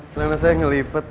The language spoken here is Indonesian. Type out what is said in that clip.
selain saya ngelipet